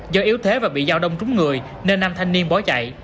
do yếu thế và bị giao đông trúng người nên năm thanh niên bó chạy